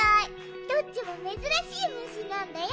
どっちもめずらしいむしなんだよ。